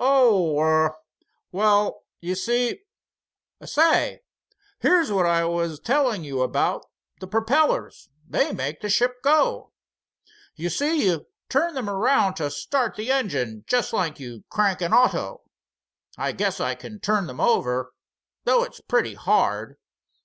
"Oh, er—well—you see—say, here's what I was telling you about, the perpellers, they make the ship go. You see you turn them around to start the engine, jest like you crank an auto. I guess I can turn them over, though it's pretty hard.